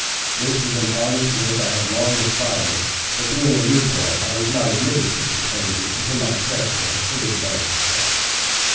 This was an honor to which I had long aspired, but, being a new boy, I was not admitted to the fraternity until my character had fully developed itself.